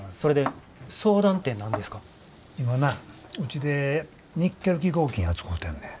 今なぁうちでニッケル基合金扱うてんねん。